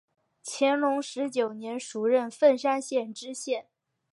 乾隆十九年署任凤山县知县。